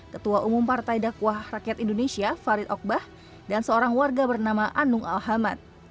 ketua umum partai dakwah rakyat indonesia farid okbah dan seorang warga bernama anung alhamad